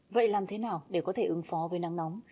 vậy làm thế nào để có thể ứng phó với nắng nóng